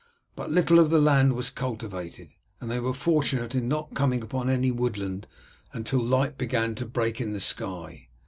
But little of the land was cultivated, and they were fortunate in not coming upon any woodland until light began to break in the sky.